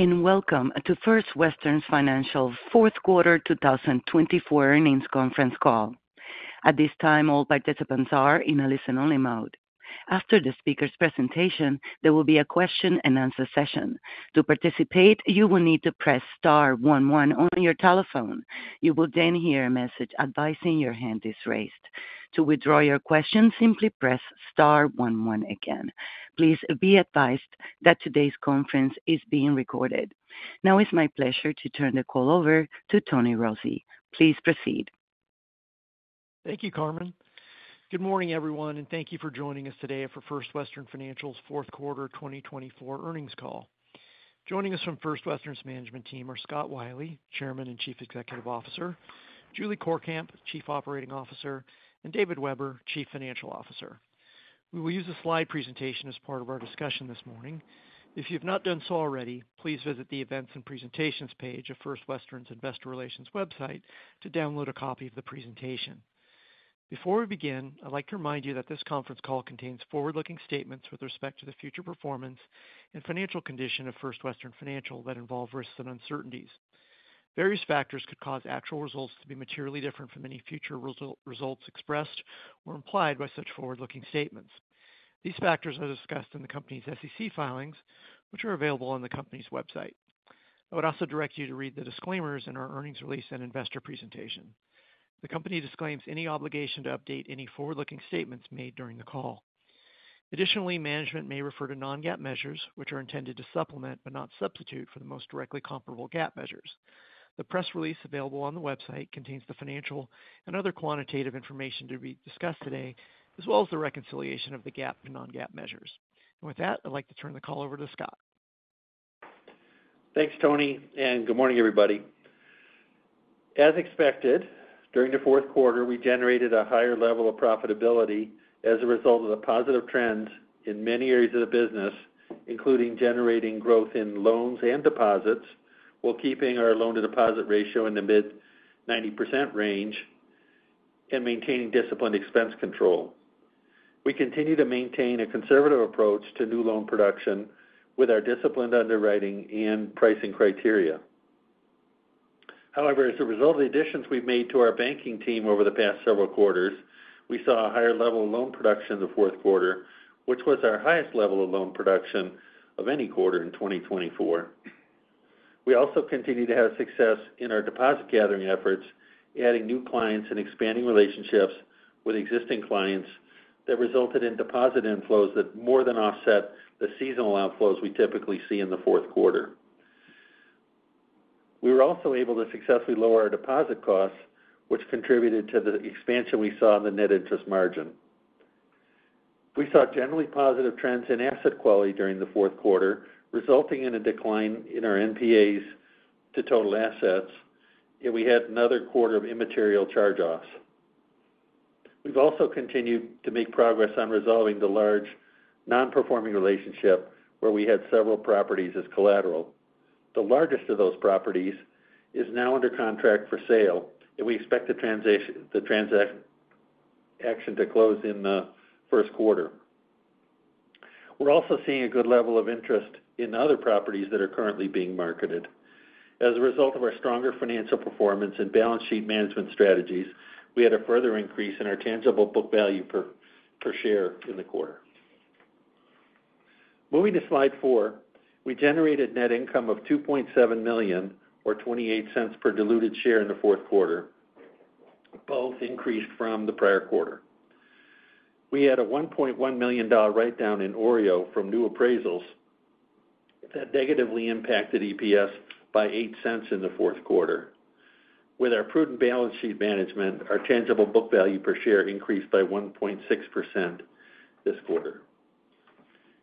Welcome to First Western Financial's Fourth Quarter 2024 Earnings Conference Call. At this time, all participants are in a listen-only mode. After the speaker's presentation, there will be a question-and-answer session. To participate, you will need to press Star 11 on your telephone. You will then hear a message advising your hand is raised. To withdraw your question, simply press Star 11 again. Please be advised that today's conference is being recorded. Now, it's my pleasure to turn the call over to Tony Rossi. Please proceed. Thank you, Carmen. Good morning, everyone, and thank you for joining us today for First Western Financial's Fourth Quarter 2024 Earnings Call. Joining us from First Western's management team are Scott Wylie, Chairman and Chief Executive Officer, Julie Courkamp, Chief Operating Officer, and David Weber, Chief Financial Officer. We will use a slide presentation as part of our discussion this morning. If you have not done so already, please visit the Events and Presentations page of First Western's Investor Relations website to download a copy of the presentation. Before we begin, I'd like to remind you that this conference call contains forward-looking statements with respect to the future performance and financial condition of First Western Financial that involve risks and uncertainties. Various factors could cause actual results to be materially different from any future results expressed or implied by such forward-looking statements. These factors are discussed in the company's SEC filings, which are available on the company's website. I would also direct you to read the disclaimers in our earnings release and investor presentation. The company disclaims any obligation to update any forward-looking statements made during the call. Additionally, management may refer to non-GAAP measures, which are intended to supplement but not substitute for the most directly comparable GAAP measures. The press release available on the website contains the financial and other quantitative information to be discussed today, as well as the reconciliation of the GAAP and non-GAAP measures. And with that, I'd like to turn the call over to Scott. Thanks, Tony, and good morning, everybody. As expected, during the fourth quarter, we generated a higher level of profitability as a result of the positive trends in many areas of the business, including generating growth in loans and deposits while keeping our loan-to-deposit ratio in the mid-90% range and maintaining disciplined expense control. We continue to maintain a conservative approach to new loan production with our disciplined underwriting and pricing criteria. However, as a result of the additions we've made to our banking team over the past several quarters, we saw a higher level of loan production in the fourth quarter, which was our highest level of loan production of any quarter in 2024. We also continue to have success in our deposit-gathering efforts, adding new clients and expanding relationships with existing clients that resulted in deposit inflows that more than offset the seasonal outflows we typically see in the fourth quarter. We were also able to successfully lower our deposit costs, which contributed to the expansion we saw in the net interest margin. We saw generally positive trends in asset quality during the fourth quarter, resulting in a decline in our NPAs to total assets, and we had another quarter of immaterial charge-offs. We've also continued to make progress on resolving the large non-performing relationship where we had several properties as collateral. The largest of those properties is now under contract for sale, and we expect the transaction to close in the first quarter. We're also seeing a good level of interest in other properties that are currently being marketed. As a result of our stronger financial performance and balance sheet management strategies, we had a further increase in our tangible book value per share in the quarter. Moving to slide four, we generated net income of $2.7 million, or $0.28 per diluted share in the fourth quarter, both increased from the prior quarter. We had a $1.1 million write-down in OREO from new appraisals that negatively impacted EPS by $0.08 in the fourth quarter. With our prudent balance sheet management, our tangible book value per share increased by 1.6% this quarter.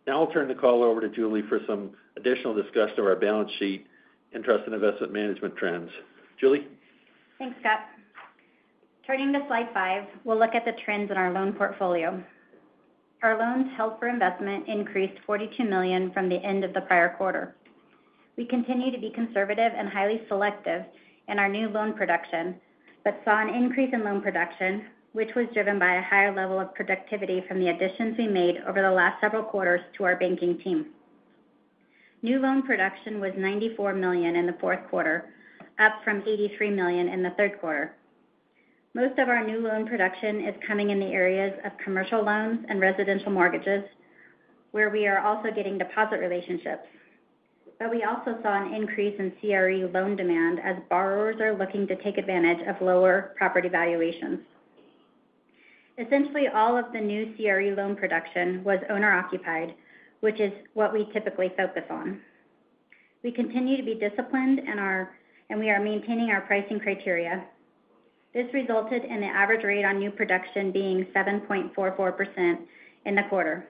Now, I'll turn the call over to Julie for some additional discussion of our balance sheet and trust and investment management trends. Julie? Thanks, Scott. Turning to slide five, we'll look at the trends in our loan portfolio. Our loans held for investment increased $42 million from the end of the prior quarter. We continue to be conservative and highly selective in our new loan production but saw an increase in loan production, which was driven by a higher level of productivity from the additions we made over the last several quarters to our banking team. New loan production was $94 million in the fourth quarter, up from $83 million in the third quarter. Most of our new loan production is coming in the areas of commercial loans and residential mortgages, where we are also getting deposit relationships. But we also saw an increase in CRE loan demand as borrowers are looking to take advantage of lower property valuations. Essentially, all of the new CRE loan production was owner-occupied, which is what we typically focus on. We continue to be disciplined, and we are maintaining our pricing criteria. This resulted in the average rate on new production being 7.44% in the quarter,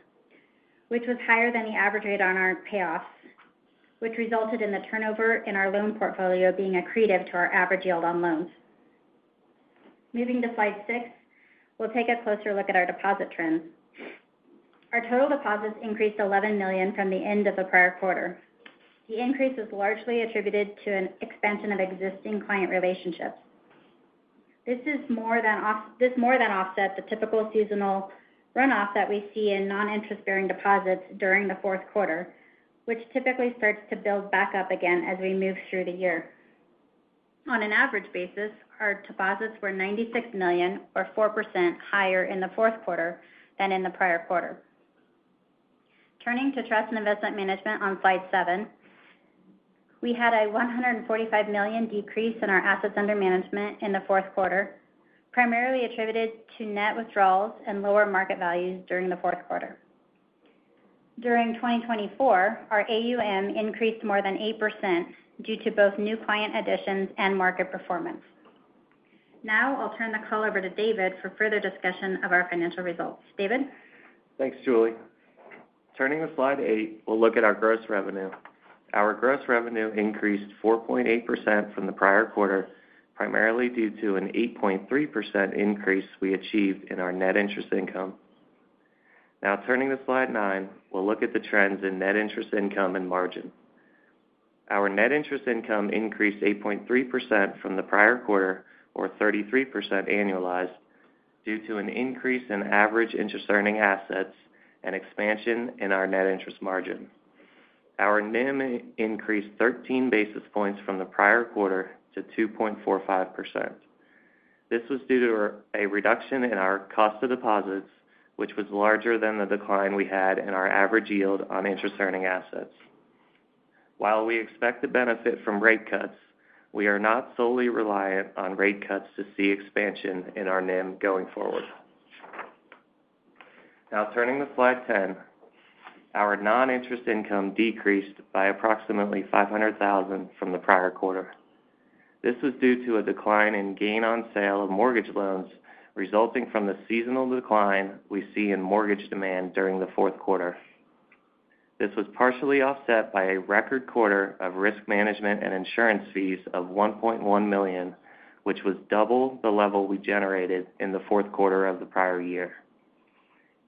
which was higher than the average rate on our payoffs, which resulted in the turnover in our loan portfolio being accretive to our average yield on loans. Moving to slide six, we'll take a closer look at our deposit trends. Our total deposits increased $11 million from the end of the prior quarter. The increase is largely attributed to an expansion of existing client relationships. This more than offsets the typical seasonal runoff that we see in non-interest-bearing deposits during the fourth quarter, which typically starts to build back up again as we move through the year. On an average basis, our deposits were $96 million, or 4% higher in the fourth quarter than in the prior quarter. Turning to trust and investment management on slide seven, we had a $145 million decrease in our assets under management in the fourth quarter, primarily attributed to net withdrawals and lower market values during the fourth quarter. During 2024, our AUM increased more than 8% due to both new client additions and market performance. Now, I'll turn the call over to David for further discussion of our financial results. David? Thanks, Julie. Turning to slide eight, we'll look at our gross revenue. Our gross revenue increased 4.8% from the prior quarter, primarily due to an 8.3% increase we achieved in our net interest income. Now, turning to slide nine, we'll look at the trends in net interest income and margin. Our net interest income increased 8.3% from the prior quarter, or 33% annualized, due to an increase in average interest-earning assets and expansion in our net interest margin. Our NIM increased 13 basis points from the prior quarter to 2.45%. This was due to a reduction in our cost of deposits, which was larger than the decline we had in our average yield on interest-earning assets. While we expect to benefit from rate cuts, we are not solely reliant on rate cuts to see expansion in our NIM going forward. Now, turning to slide ten, our non-interest income decreased by approximately $500,000 from the prior quarter. This was due to a decline in gain-on-sale of mortgage loans resulting from the seasonal decline we see in mortgage demand during the fourth quarter. This was partially offset by a record quarter of risk management and insurance fees of $1.1 million, which was double the level we generated in the fourth quarter of the prior year.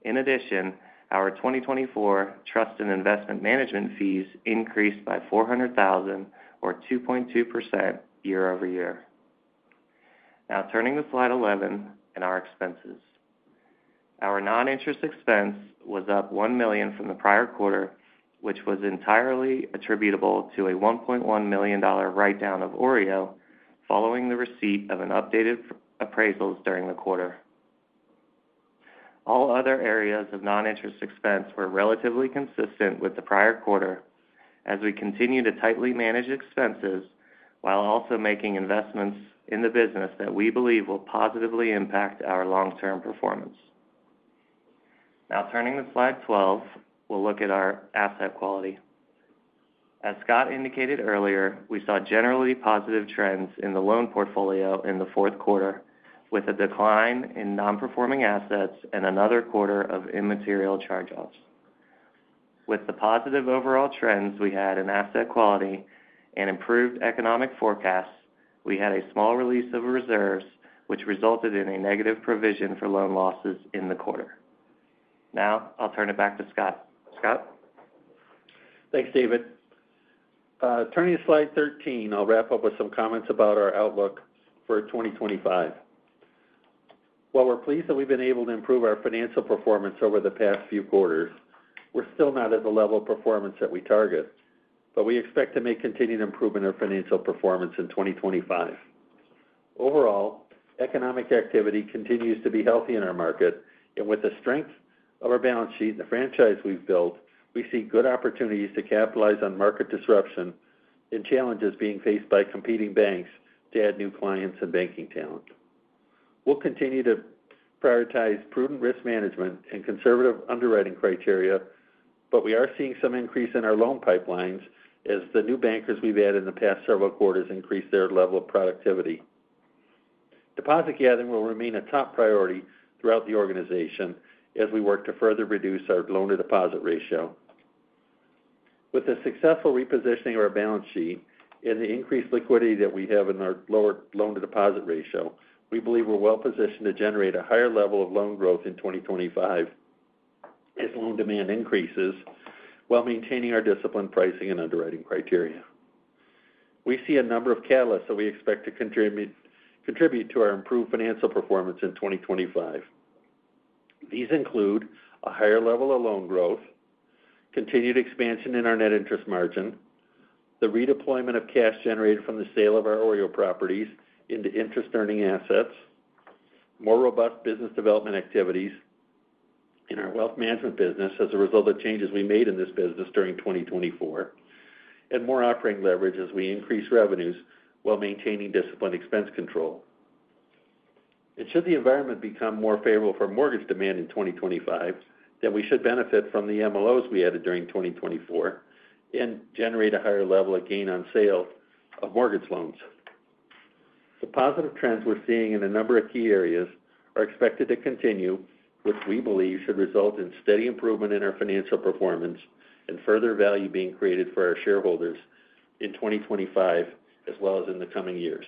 In addition, our 2024 trust and investment management fees increased by $400,000, or 2.2% year over year. Now, turning to slide eleven and our expenses. Our non-interest expense was up $1 million from the prior quarter, which was entirely attributable to a $1.1 million write-down of OREO following the receipt of an updated appraisal during the quarter. All other areas of non-interest expense were relatively consistent with the prior quarter, as we continue to tightly manage expenses while also making investments in the business that we believe will positively impact our long-term performance. Now, turning to slide 12, we'll look at our asset quality. As Scott indicated earlier, we saw generally positive trends in the loan portfolio in the fourth quarter, with a decline in non-performing assets and another quarter of immaterial charge-offs. With the positive overall trends we had in asset quality and improved economic forecasts, we had a small release of reserves, which resulted in a negative provision for loan losses in the quarter. Now, I'll turn it back to Scott. Thanks, David. Turning to slide 13, I'll wrap up with some comments about our outlook for 2025. While we're pleased that we've been able to improve our financial performance over the past few quarters, we're still not at the level of performance that we target, but we expect to make continued improvement in our financial performance in 2025. Overall, economic activity continues to be healthy in our market, and with the strength of our balance sheet and the franchise we've built, we see good opportunities to capitalize on market disruption and challenges being faced by competing banks to add new clients and banking talent. We'll continue to prioritize prudent risk management and conservative underwriting criteria, but we are seeing some increase in our loan pipelines as the new bankers we've had in the past several quarters increase their level of productivity. Deposit gathering will remain a top priority throughout the organization as we work to further reduce our loan-to-deposit ratio. With the successful repositioning of our balance sheet and the increased liquidity that we have in our lower loan-to-deposit ratio, we believe we're well positioned to generate a higher level of loan growth in 2025 as loan demand increases while maintaining our disciplined pricing and underwriting criteria. We see a number of catalysts that we expect to contribute to our improved financial performance in 2025. These include a higher level of loan growth, continued expansion in our net interest margin, the redeployment of cash generated from the sale of our OREO properties into interest-earning assets, more robust business development activities in our wealth management business as a result of changes we made in this business during 2024, and more operating leverage as we increase revenues while maintaining disciplined expense control. Should the environment become more favorable for mortgage demand in 2025, then we should benefit from the MLOs we added during 2024 and generate a higher level of gain-on-sale of mortgage loans. The positive trends we're seeing in a number of key areas are expected to continue, which we believe should result in steady improvement in our financial performance and further value being created for our shareholders in 2025 as well as in the coming years.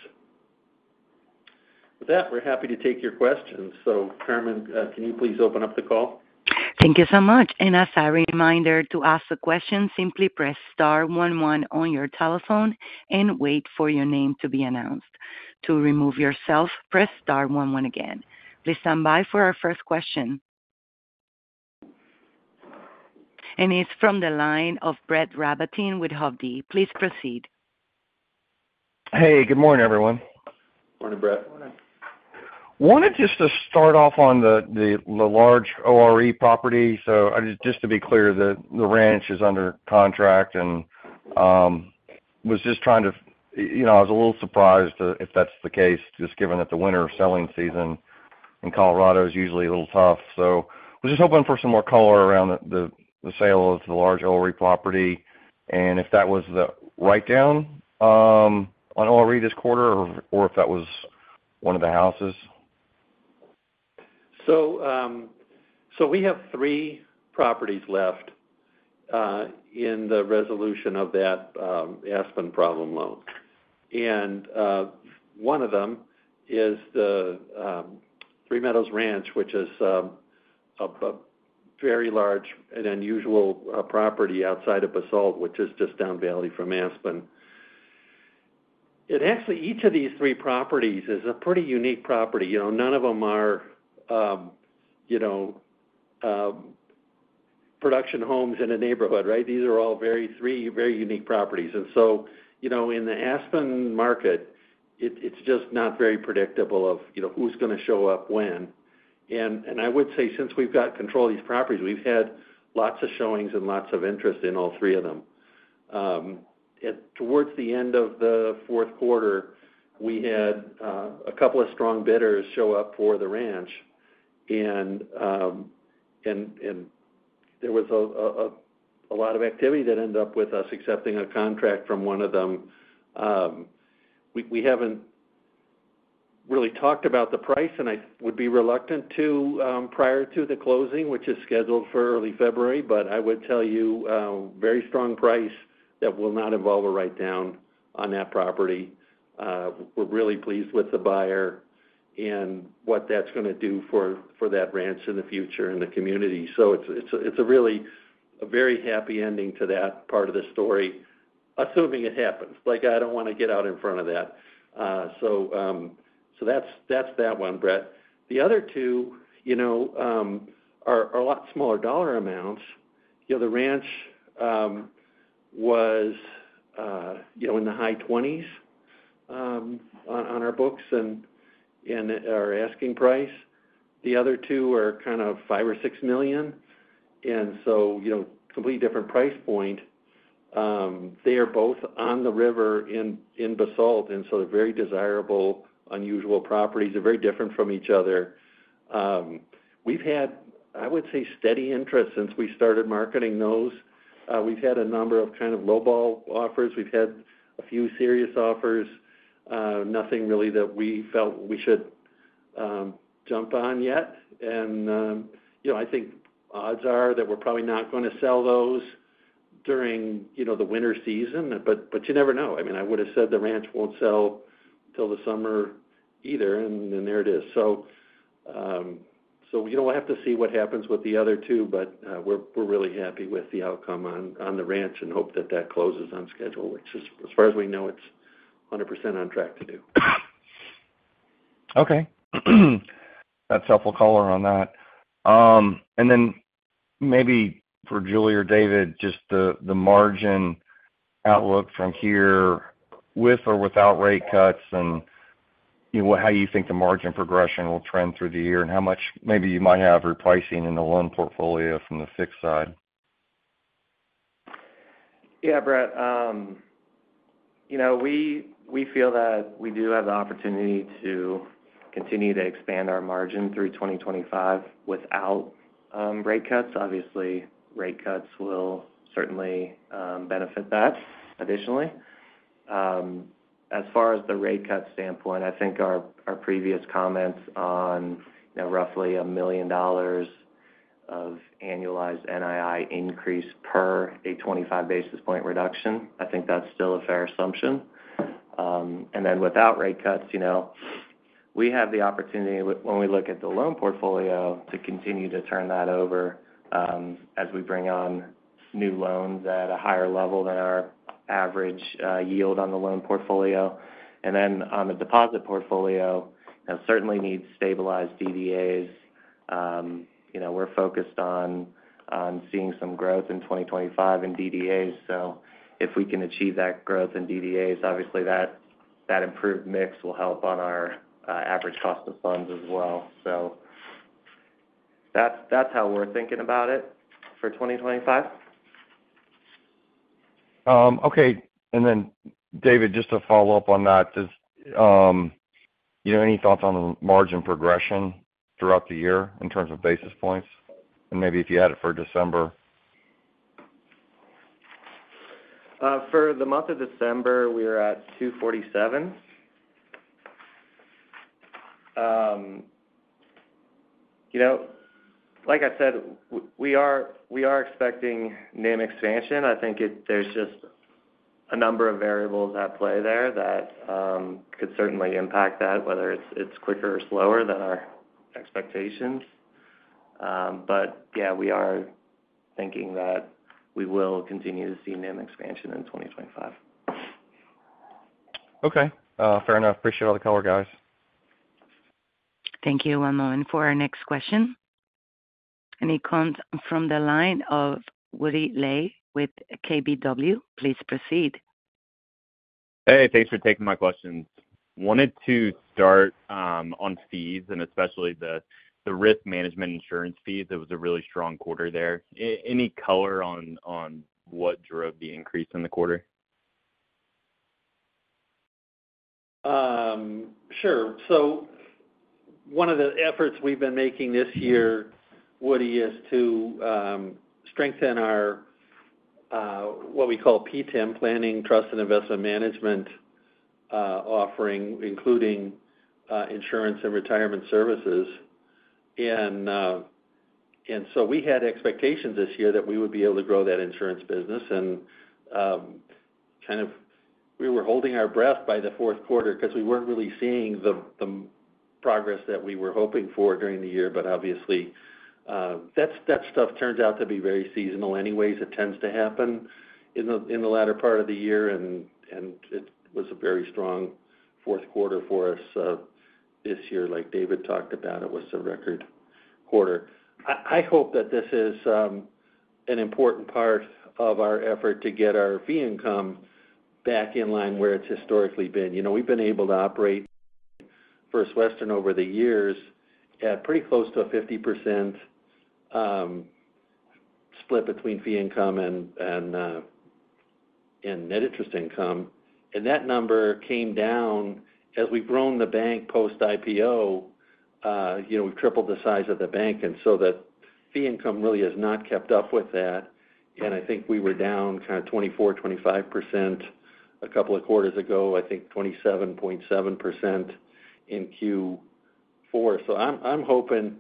With that, we're happy to take your questions. Carmen, can you please open up the call? Thank you so much. And as a reminder to ask the question, simply press star 11 on your telephone and wait for your name to be announced. To remove yourself, press star 11 again. Please stand by for our first question. And it's from the line of Brett Rabatin with Hovde. Please proceed. Hey, good morning, everyone. Morning, Brett. Morning. wanted just to start off on the large OREO property. Just to be clear, the ranch is under contract and I was just trying to, you know, I was a little surprised if that's the case, just given that the winter selling season in Colorado is usually a little tough. I was just hoping for some more color around the sale of the large OREO property and if that was the write-down on OREO this quarter or if that was one of the houses. We have three properties left in the resolution of that Aspen problem loan. One of them is the Three Meadows Ranch, which is a very large and unusual property outside of Basalt, which is just down valley from Aspen. Actually, each of these three properties is a pretty unique property. You know, none of them are, you know, production homes in a neighborhood, right? These are all very, very unique properties. And so, you know, in the Aspen market, it's just not very predictable of, you know, who's going to show up when. And I would say since we've got control of these properties, we've had lots of showings and lots of interest in all three of them. Towards the end of the fourth quarter, we had a couple of strong bidders show up for the ranch, and there was a lot of activity that ended up with us accepting a contract from one of them. We haven't really talked about the price, and I would be reluctant to prior to the closing, which is scheduled for early February, but I would tell you a very strong price that will not involve a write-down on that property. We're really pleased with the buyer and what that's going to do for that ranch in the future and the community. So it's a really very happy ending to that part of the story, assuming it happens. Like, I don't want to get out in front of that. So that's that one, Brett. The other two, you know, are a lot smaller dollar amounts. You know, the ranch was, you know, in the high twenties on our books and our asking price. The other two are kind of $5 or $6 million. And so, you know, completely different price point. They are both on the river in Basalt, and so they're very desirable, unusual properties. They're very different from each other. We've had, I would say, steady interest since we started marketing those. We've had a number of kind of low-ball offers. We've had a few serious offers. Nothing really that we felt we should jump on yet, and you know, I think odds are that we're probably not going to sell those during, you know, the winter season, but you never know. I mean, I would have said the ranch won't sell till the summer either, and there it is, so we'll have to see what happens with the other two, but we're really happy with the outcome on the ranch and hope that that closes on schedule, which, as far as we know, it's 100% on track to do. Okay. That's helpful color on that. And then maybe for Julie or David, just the margin outlook from here with or without rate cuts and how you think the margin progression will trend through the year and how much maybe you might have repricing in the loan portfolio from the fixed side. Yeah, Brett. You know, we feel that we do have the opportunity to continue to expand our margin through 2025 without rate cuts. Obviously, rate cuts will certainly benefit that additionally. As far as the rate cut standpoint, I think our previous comments on roughly $1 million of annualized NII increase per a 25 basis point reduction, I think that's still a fair assumption. And then without rate cuts, you know, we have the opportunity, when we look at the loan portfolio, to continue to turn that over as we bring on new loans at a higher level than our average yield on the loan portfolio. And then on the deposit portfolio, it certainly needs stabilized DDAs. You know, we're focused on seeing some growth in 2025 in DDAs. So if we can achieve that growth in DDAs, obviously that improved mix will help on our average cost of funds as well. So that's how we're thinking about it for 2025. Okay, and then, David, just to follow up on that, you know, any thoughts on the margin progression throughout the year in terms of basis points, and maybe if you had it for December? For the month of December, we are at 247. You know, like I said, we are expecting NIM expansion. I think there's just a number of variables at play there that could certainly impact that, whether it's quicker or slower than our expectations. But yeah, we are thinking that we will continue to see NIM expansion in 2025. Okay. Fair enough. Appreciate all the color, guys. Thank you. One moment for our next question. And it comes from the line of Woody Lay with KBW. Please proceed. Hey, thanks for taking my questions. Wanted to start on fees and especially the risk management insurance fees. It was a really strong quarter there. Any color on what drove the increase in the quarter? Sure. So one of the efforts we've been making this year, Woody, is to strengthen our what we call PTIM, Planning, Trust, and Investment Management offering, including insurance and retirement services. And so we had expectations this year that we would be able to grow that insurance business. And kind of we were holding our breath by the fourth quarter because we weren't really seeing the progress that we were hoping for during the year. But obviously, that stuff turns out to be very seasonal anyways. It tends to happen in the latter part of the year. And it was a very strong fourth quarter for us this year. Like David talked about, it was a record quarter. I hope that this is an important part of our effort to get our fee income back in line where it's historically been. You know, we've been able to operate First Western over the years at pretty close to a 50% split between fee income and net interest income. And that number came down as we've grown the bank post-IPO. You know, we've tripled the size of the bank. And so the fee income really has not kept up with that. And I think we were down kind of 24%-25% a couple of quarters ago, I think 27.7% in Q4. So I'm hoping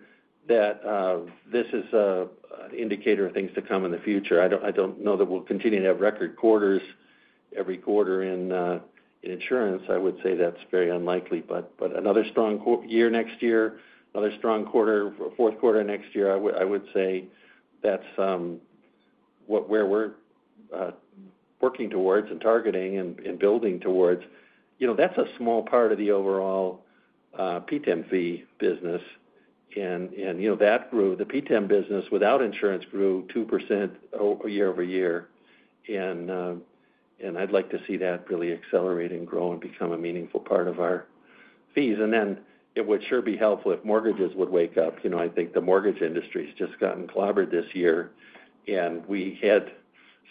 that this is an indicator of things to come in the future. I don't know that we'll continue to have record quarters every quarter in insurance. I would say that's very unlikely. But another strong year next year, another strong quarter, fourth quarter next year, I would say that's where we're working towards and targeting and building towards. You know, that's a small part of the overall PTIM fee business. And, you know, that grew, the PTIM business without insurance grew 2% year over year. And I'd like to see that really accelerate and grow and become a meaningful part of our fees. And then it would sure be helpful if mortgages would wake up. You know, I think the mortgage industry has just gotten clobbered this year. And we had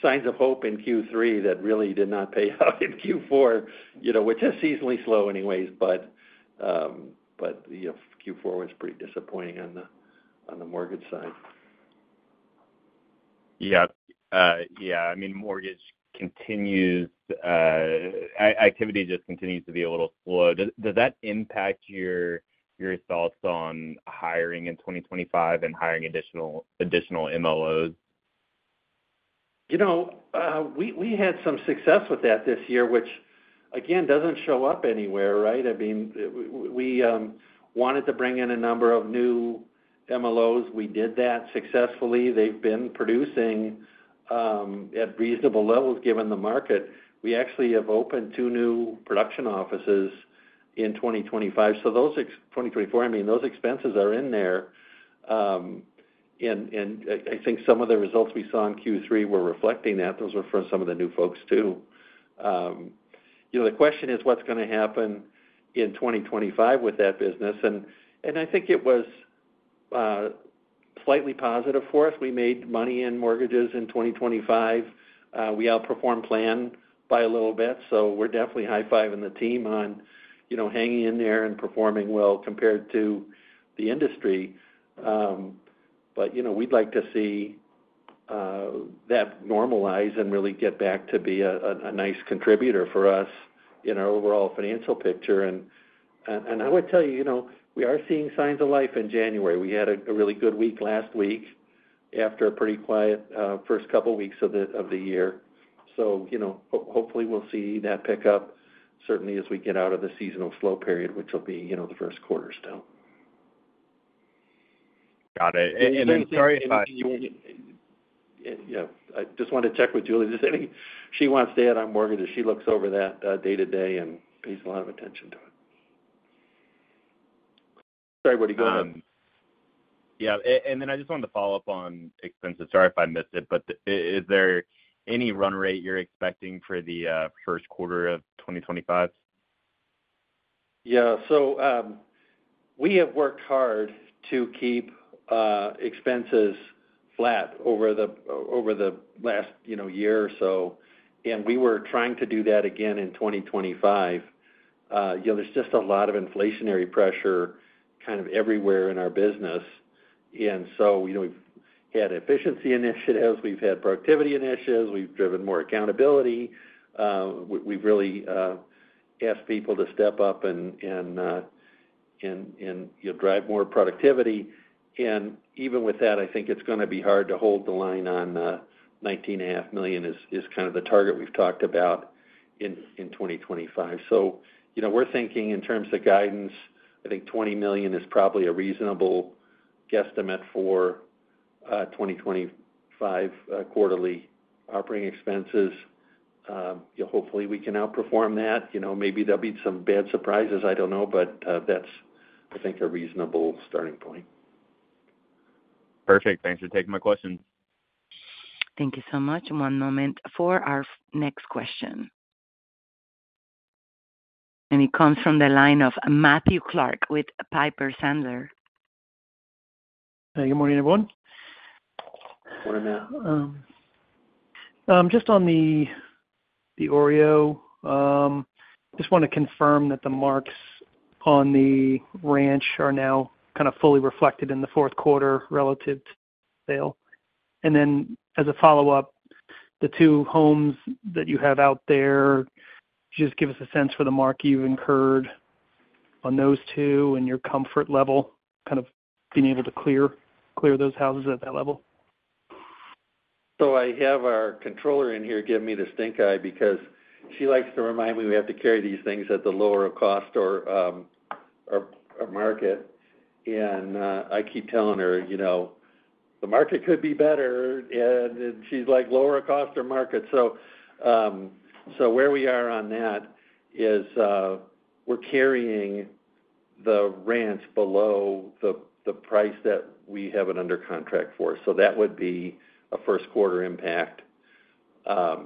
signs of hope in Q3 that really did not pay out in Q4, you know, which is seasonally slow anyways. But, you know, Q4 was pretty disappointing on the mortgage side. Yeah. Yeah. I mean, mortgage activity just continues to be a little slow. Does that impact your thoughts on hiring in 2025 and hiring additional MLOs? You know, we had some success with that this year, which, again, doesn't show up anywhere, right? I mean, we wanted to bring in a number of new MLOs. We did that successfully. They've been producing at reasonable levels given the market. We actually have opened two new production offices in 2025. So those 2024, I mean, those expenses are in there. And I think some of the results we saw in Q3 were reflecting that. Those were for some of the new folks too. You know, the question is what's going to happen in 2025 with that business. And I think it was slightly positive for us. We made money in mortgages in 2025. We outperformed plan by a little bit. So we're definitely high-fiving the team on, you know, hanging in there and performing well compared to the industry. But, you know, we'd like to see that normalize and really get back to be a nice contributor for us in our overall financial picture, and I would tell you, you know, we are seeing signs of life in January. We had a really good week last week after a pretty quiet first couple of weeks of the year, so, you know, hopefully we'll see that pick up certainly as we get out of the seasonal slow period, which will be, you know, the first quarter still. Got it. And then sorry if I, yeah, I just wanted to check with Julie if she wants to add on mortgages. She looks over that day to day and pays a lot of attention to it. Sorry, Woody, go ahead. Yeah. And then I just wanted to follow up on expenses. Sorry if I missed it, but is there any run rate you're expecting for the first quarter of 2025? Yeah. So we have worked hard to keep expenses flat over the last, you know, year or so. And we were trying to do that again in 2025. You know, there's just a lot of inflationary pressure kind of everywhere in our business. And so, you know, we've had efficiency initiatives. We've had productivity initiatives. We've driven more accountability. We've really asked people to step up and, you know, drive more productivity. And even with that, I think it's going to be hard to hold the line on $19.5 million is kind of the target we've talked about in 2025. So, you know, we're thinking in terms of guidance, I think $20 million is probably a reasonable guesstimate for 2025 quarterly operating expenses. You know, hopefully we can outperform that. You know, maybe there'll be some bad surprises. I don't know, but that's, I think, a reasonable starting point. Perfect. Thanks for taking my questions. Thank you so much. One moment for our next question, and it comes from the line of Matthew Clark with Piper Sandler. Hey, good morning, everyone. Morning, Matt. Just on the OREO, just want to confirm that the marks on the ranch are now kind of fully reflected in the fourth quarter relative to sale. And then as a follow-up, the two homes that you have out there, just give us a sense for the mark you've incurred on those two and your comfort level, kind of being able to clear those houses at that level. So, I have our controller in here give me the stink eye because she likes to remind me we have to carry these things at the lower cost or market. And I keep telling her, you know, the market could be better. And she's like, lower cost or market. So where we are on that is we're carrying the ranch below the price that we have an under contract for. So that would be a first quarter impact. And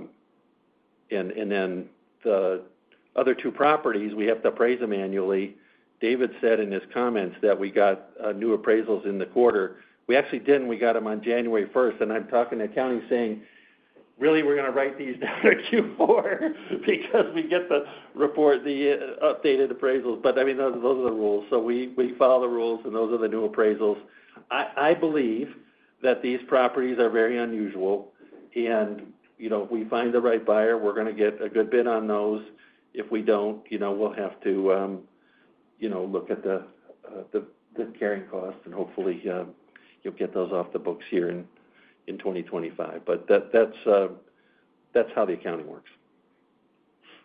then the other two properties, we have to appraise them annually. David said in his comments that we got new appraisals in the quarter. We actually didn't. We got them on January 1st. And I'm talking to county saying, really, we're going to write these down at Q4 because we get the report, the updated appraisals. But I mean, those are the rules. So we follow the rules and those are the new appraisals. I believe that these properties are very unusual. And, you know, if we find the right buyer, we're going to get a good bid on those. If we don't, you know, we'll have to, you know, look at the carrying costs and hopefully get those off the books here in 2025. But that's how the accounting works.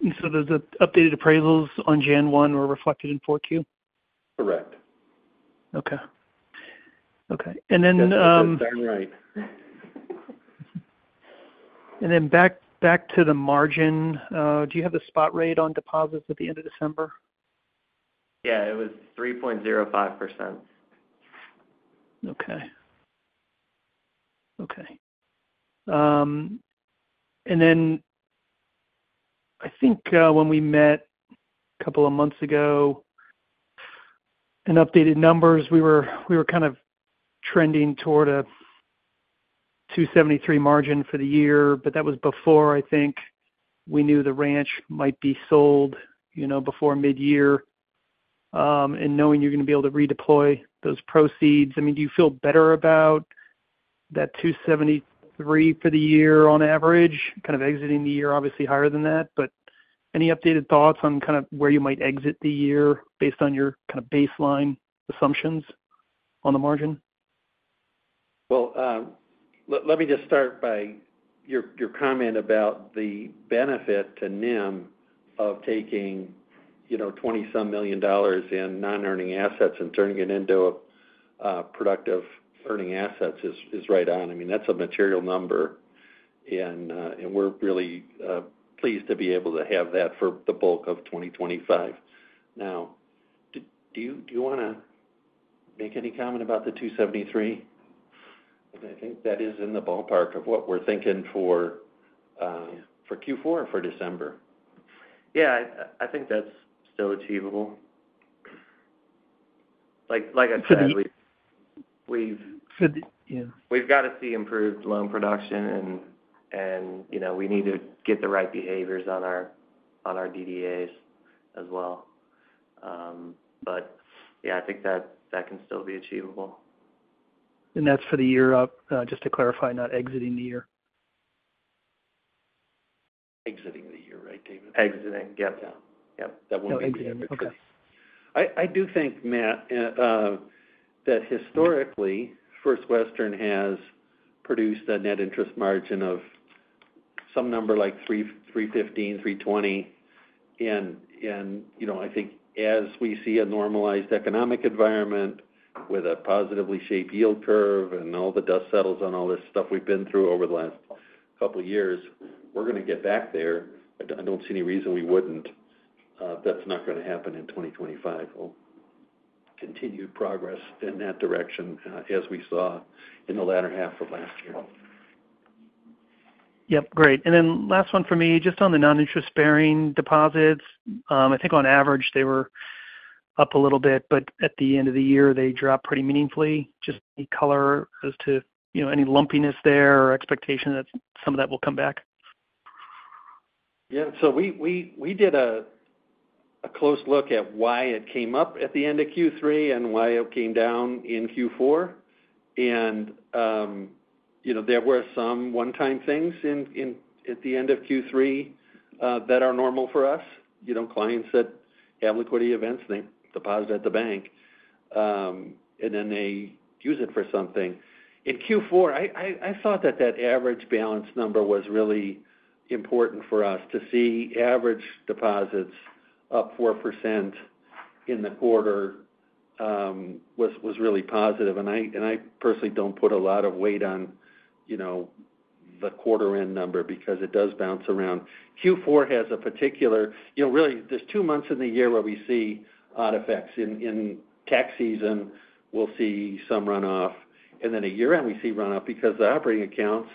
And so those updated appraisals on January 1 were reflected in 4Q? Correct. Okay. And then. That's right. Then back to the margin, do you have the spot rate on deposits at the end of December? Yeah, it was 3.05%. Okay. And then I think when we met a couple of months ago, and updated numbers, we were kind of trending toward a 273 margin for the year. But that was before, I think, we knew the ranch might be sold, you know, before mid-year. And knowing you're going to be able to redeploy those proceeds, I mean, do you feel better about that 273 for the year on average, kind of exiting the year obviously higher than that? But any updated thoughts on kind of where you might exit the year based on your kind of baseline assumptions on the margin? Let me just start by your comment about the benefit to NIM of taking, you know, $20-some million in non-earning assets and turning it into productive earning assets is right on. I mean, that's a material number. And we're really pleased to be able to have that for the bulk of 2025. Now, do you want to make any comment about the 273? I think that is in the ballpark of what we're thinking for Q4 for December. Yeah, I think that's still achievable. Like I said, we've got to see improved loan production, and, you know, we need to get the right behaviors on our DDAs as well, but yeah, I think that can still be achievable. And that's for the year up, just to clarify, not exiting the year. Exiting the year, right, David? Exiting, yep. Yeah. Yep. That won't be the year. Exiting. Okay. I do think, Matt, that historically, First Western has produced a net interest margin of some number like 315, 320, and, you know, I think as we see a normalized economic environment with a positively shaped yield curve and all the dust settles on all this stuff we've been through over the last couple of years, we're going to get back there. I don't see any reason we wouldn't. That's not going to happen in 2025. We'll continue progress in that direction as we saw in the latter half of last year. Yep. Great. And then last one for me, just on the non-interest-bearing deposits. I think on average they were up a little bit, but at the end of the year, they dropped pretty meaningfully. Just any color as to, you know, any lumpiness there or expectation that some of that will come back? Yeah. So we did a close look at why it came up at the end of Q3 and why it came down in Q4. And, you know, there were some one-time things at the end of Q3 that are normal for us. You know, clients that have liquidity events, they deposit at the bank. And then they use it for something. In Q4, I thought that average balance number was really important for us to see average deposits up 4% in the quarter was really positive. And I personally don't put a lot of weight on, you know, the quarter-end number because it does bounce around. Q4 has a particular, you know, really, there's two months in the year where we see odd effects. In tax season, we'll see some runoff. And then at year end, we see runoff because the operating accounts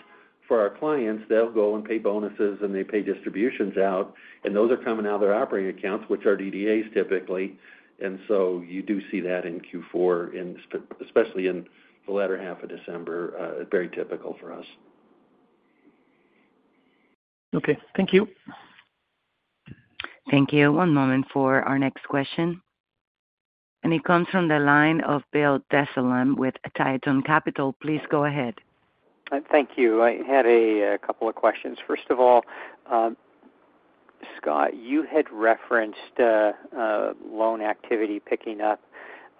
for our clients, they'll go and pay bonuses and they pay distributions out. And those are coming out of their operating accounts, which are DDAs typically. And so you do see that in Q4, especially in the latter half of December, very typical for us. Okay. Thank you. Thank you. One moment for our next question. And it comes from the line of Bill Dezellem with Tyson Capital Group. Please go ahead. Thank you. I had a couple of questions. First of all, Scott, you had referenced loan activity picking up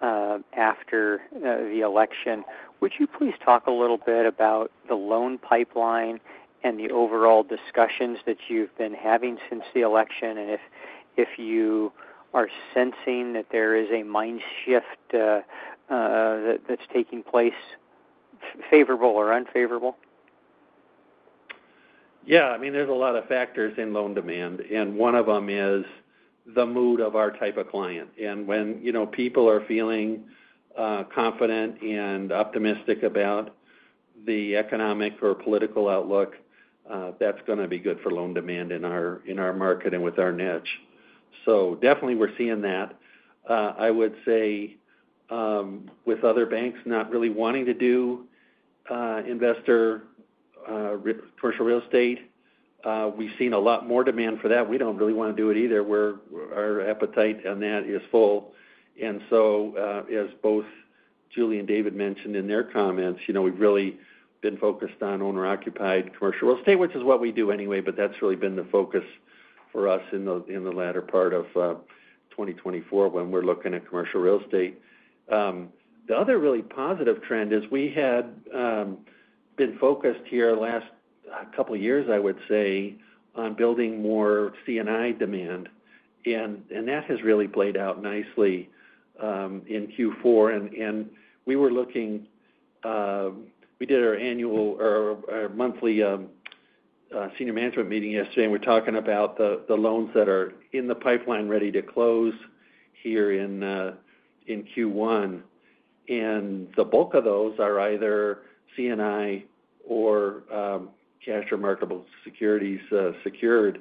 after the election. Would you please talk a little bit about the loan pipeline and the overall discussions that you've been having since the election? And if you are sensing that there is a mindset shift that's taking place, favorable or unfavorable? Yeah. I mean, there's a lot of factors in loan demand. And one of them is the mood of our type of client. And when, you know, people are feeling confident and optimistic about the economic or political outlook, that's going to be good for loan demand in our market and with our niche. So definitely we're seeing that. I would say with other banks not really wanting to do investor commercial real estate, we've seen a lot more demand for that. We don't really want to do it either. Our appetite on that is full. And so, as both Julie and David mentioned in their comments, you know, we've really been focused on owner-occupied commercial real estate, which is what we do anyway, but that's really been the focus for us in the latter part of 2024 when we're looking at commercial real estate. The other really positive trend is we had been focused here last couple of years, I would say, on building more C&I demand, and that has really played out nicely in Q4, and we were looking, we did our annual or our monthly senior management meeting yesterday, and we're talking about the loans that are in the pipeline ready to close here in Q1, and the bulk of those are either C&I or cash or marketable securities secured,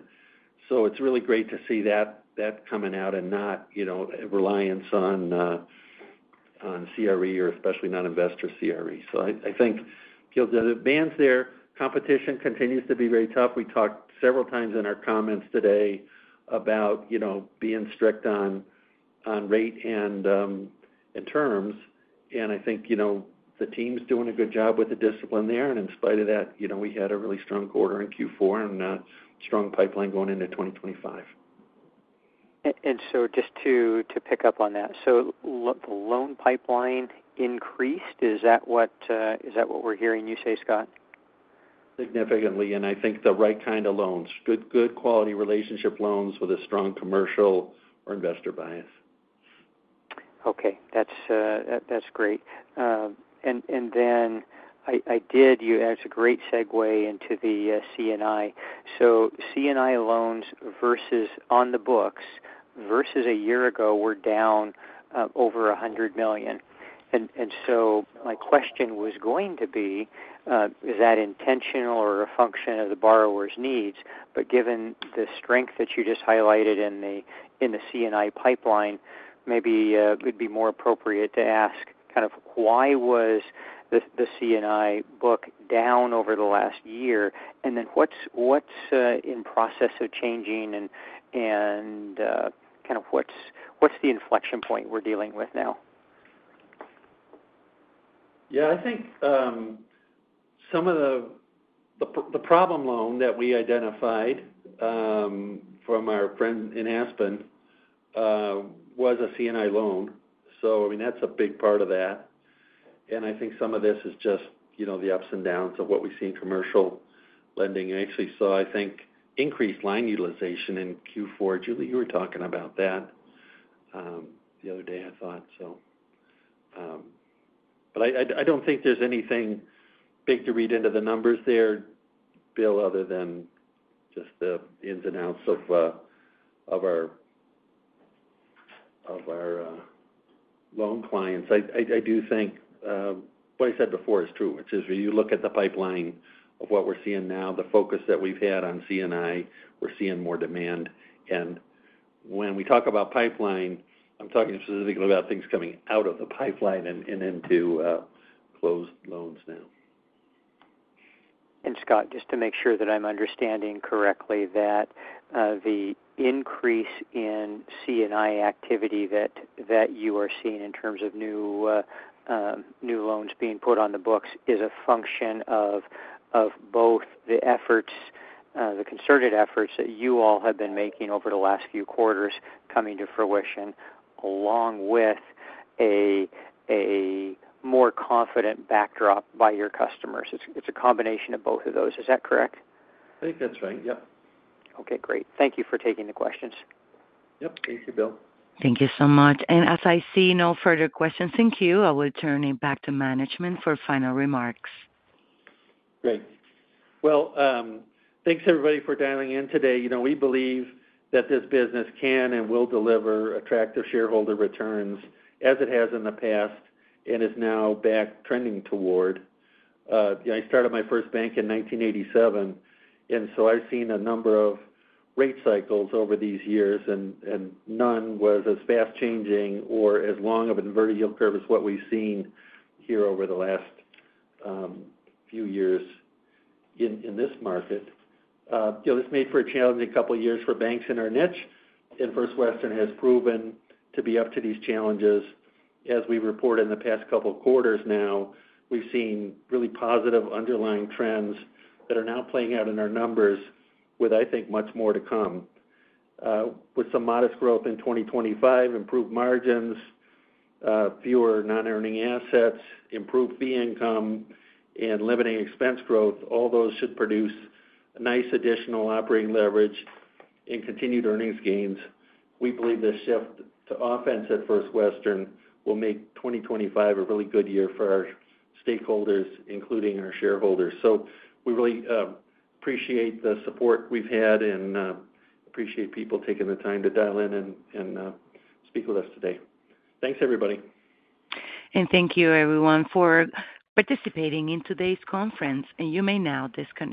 so it's really great to see that coming out and not, you know, reliance on CRE or especially non-investor CRE, so I think, given the banks, their competition continues to be very tough. We talked several times in our comments today about, you know, being strict on rate and terms, and I think, you know, the team's doing a good job with the discipline there. In spite of that, you know, we had a really strong quarter in Q4 and a strong pipeline going into 2025. And so just to pick up on that, so the loan pipeline increased, is that what we're hearing you say, Scott? Significantly. And I think the right kind of loans, good quality relationship loans with a strong commercial or investor bias. Okay. That's great. And then I did, you asked a great segue into the C&I. So C&I loans versus on the books versus a year ago were down over $100 million. And so my question was going to be, is that intentional or a function of the borrower's needs? But given the strength that you just highlighted in the C&I pipeline, maybe it'd be more appropriate to ask kind of why was the C&I book down over the last year? And then what's in process of changing and kind of what's the inflection point we're dealing with now? Yeah, I think some of the problem loan that we identified from our friends in Aspen was a C&I loan. So, I mean, that's a big part of that. And I think some of this is just, you know, the ups and downs of what we see in commercial lending. I actually saw, I think, increased line utilization in Q4. Julie, you were talking about that the other day, I thought, so. But I don't think there's anything big to read into the numbers there, Bill, other than just the ins and outs of our loan clients. I do think what I said before is true, which is when you look at the pipeline of what we're seeing now, the focus that we've had on C&I, we're seeing more demand. When we talk about pipeline, I'm talking specifically about things coming out of the pipeline and into closed loans now. Scott, just to make sure that I'm understanding correctly, that the increase in C&I activity that you are seeing in terms of new loans being put on the books is a function of both the efforts, the concerted efforts that you all have been making over the last few quarters coming to fruition along with a more confident backdrop by your customers. It's a combination of both of those. Is that correct? I think that's right. Yep. Okay. Great. Thank you for taking the questions. Yep. Thank you, Bill. Thank you so much, and as I see no further questions, thank you. I will turn it back to management for final remarks. Great. Well, thanks everybody for dialing in today. You know, we believe that this business can and will deliver attractive shareholder returns as it has in the past and is now back trending toward. You know, I started my first bank in 1987, and so I've seen a number of rate cycles over these years, and none was as fast changing or as long of an inverted yield curve as what we've seen here over the last few years in this market. You know, this made for a challenging couple of years for banks in our niche, and First Western has proven to be up to these challenges. As we report in the past couple of quarters now, we've seen really positive underlying trends that are now playing out in our numbers with, I think, much more to come. With some modest growth in 2025, improved margins, fewer non-earning assets, improved fee income, and limiting expense growth, all those should produce nice additional operating leverage and continued earnings gains. We believe this shift to offense at First Western will make 2025 a really good year for our stakeholders, including our shareholders. So we really appreciate the support we've had and appreciate people taking the time to dial in and speak with us today. Thanks, everybody. And thank you, everyone, for participating in today's conference. And you may now disconnect.